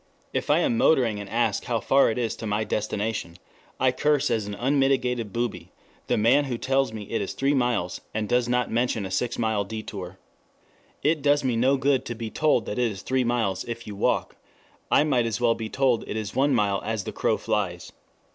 If I am motoring and ask how far it is to my destination, I curse as an unmitigated booby the man who tells me it is three miles, and does not mention a six mile detour. It does me no good to be told that it is three miles if you walk. I might as well be told it is one mile as the crow flies.